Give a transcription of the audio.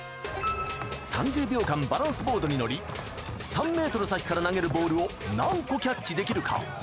３０秒間バランスボードに乗り、３メートル先から投げるボールを何個キャッチできるか。